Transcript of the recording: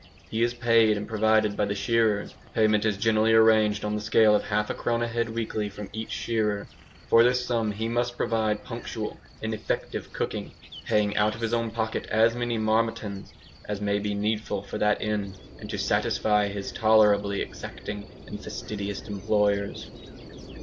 He is paid and provided by the shearers. Payment is generally arranged on the scale of half a crown a head weekly from each shearer. For this sum he must provide punctual and effective cooking, paying out of his own pocket as many "marmitons" as may be needful for that end, and to satisfy his tolerably exacting and fastidious employers.